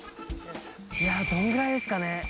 いやどんぐらいですかね